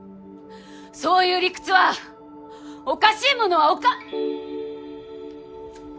そういう理屈はおかしいものはおか。